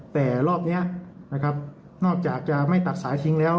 แต่รอบนี้นะครับนอกจากจะไม่ตัดสายทิ้งแล้ว